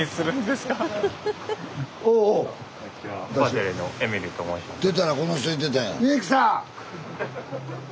スタジオ出たらこの人いてたんや。